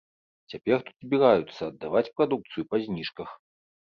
Цяпер тут збіраюцца аддаваць прадукцыю па зніжках.